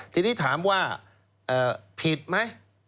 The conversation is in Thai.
ทีนี้ถามว่าผิดไหม